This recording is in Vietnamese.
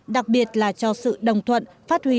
đặc biệt là cho sự đồng thuận phát huy